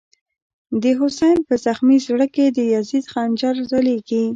دحسین” په زخمی زړه کی، دیزید خنجر ځلیږی”